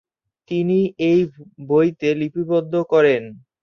তিনি এই বইতে লিপিবদ্ধ করেন।